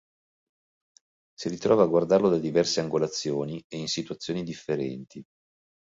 Si ritrova a guardarlo da diverse angolazioni e in situazioni differenti.